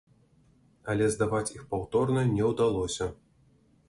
Але здаваць іх паўторна не ўдалося.